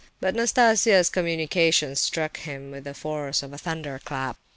But Nastasia's communication struck him with the force of a thunderclap.